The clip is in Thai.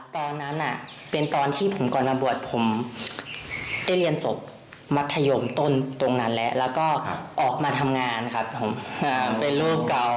ตอนนั้นเป็นตอนที่ผมก่อนมาบวชผมได้เรียนจบมัธยมต้นตรงนั้นแล้วแล้วก็ออกมาทำงานครับผมเป็นลูกเก่า